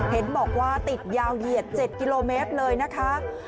เห็นบอกว่าติดยาวเหยียด๗กิโลเมตรเลยนะคะ